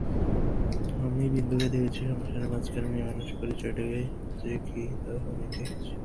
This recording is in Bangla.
আমি বিন্দুকে দেখেছি সংসারের মাঝখানে মেয়েমানুষের পরিচয়টা যে কী তা আমি পেয়েছি।